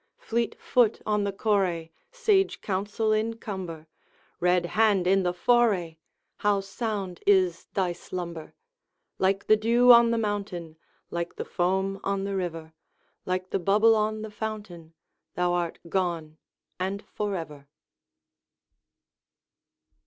Fleet foot on the correi, Sage counsel in cumber, Red hand in the foray, How sound is thy slumber! Like the dew on the mountain, Like the foam on the river, Like the bubble on the fountain, Thou art gone, and forever!